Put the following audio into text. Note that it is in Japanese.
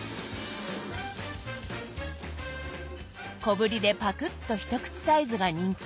小ぶりでパクッと一口サイズが人気。